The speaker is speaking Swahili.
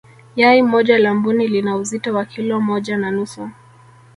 yai moja la mbuni lina uzito wa kilo moja na nusu